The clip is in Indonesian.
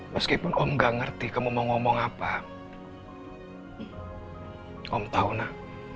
meskipun om gak ngerti kamu mau ngomong apa om tahu